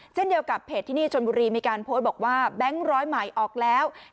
เช่นเดียวกับเพจที่นี่ชนบุรีมีการโพสต์บอกว่าแบงค์ร้อยใหม่ออกแล้ว